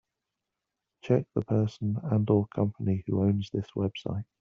Check the person and/or company who owns this website.